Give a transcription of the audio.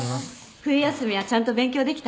冬休みはちゃんと勉強できた？